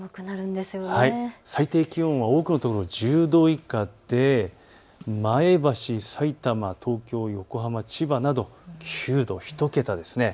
最低気温、多くの所１０度以下で前橋、さいたま、東京、横浜、千葉など９度、１桁ですね。